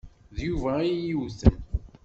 D Yuba ay iyi-yewten.